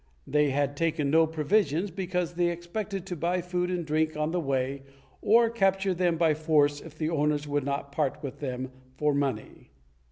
They had taken no provisions, because they expected to buy food and drink on the way or capture them by force if the owners would not part with them for money.